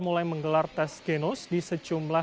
mulai menggelar tes genus di secumlah sekolah